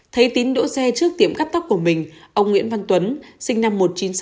thấy tín đỗ xe trước tiệm cắt tóc của mình ông nguyễn văn tuấn sinh năm một nghìn chín trăm sáu mươi